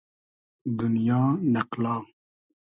دونیا ، نئقلا